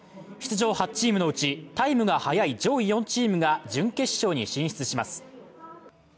出場８チームのうちタイムが速い上位４チームが準決勝に進出します。